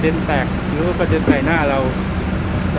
และที่เราต้องใช้เวลาในการปฏิบัติหน้าที่ระยะเวลาหนึ่งนะครับ